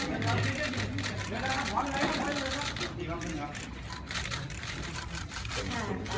บังนี้ทุกคนโหดโตแล้วนะคะ